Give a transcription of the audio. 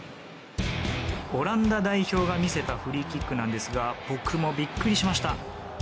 オランダ代表が見せたフリーキックなんですが僕もビックリしました。